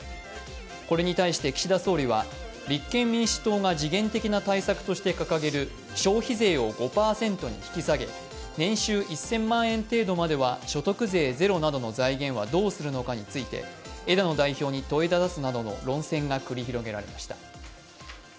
これに対して岸田総理は、立憲民主党が時限的な対策として掲げる消費税を５％に引き下げ、年収１０００万円程度までは所得税ゼロの財源はどうするのかについて枝野代表に問いただすなどの論戦が繰り広げられました。